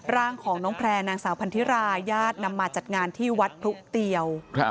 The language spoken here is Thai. ร่างของน้องแพร่นางสาวพันธิราญาตินำมาจัดงานที่วัดพลุเตียว